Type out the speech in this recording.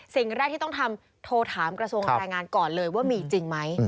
สิ่งแรกที่ต้องทำโทรถามกระทรวงแรงงานก่อนเลยว่ามีจริงไหม